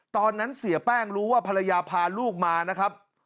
ตอนนั้นเสียแป้งรู้ว่าภรรยาพาลูกมานะครับ